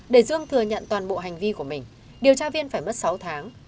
để dương thừa nhận toàn bộ hành vi của mình điều tra viên phải mất sáu tháng